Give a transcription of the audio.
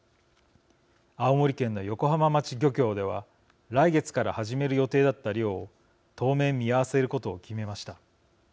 青森県の横浜町漁協では来月から始める予定だった漁を当面、見合わせることを決めました。